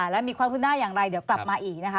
แล้วมีความขึ้นหน้าอย่างไรเดี๋ยวกลับมาอีกนะคะ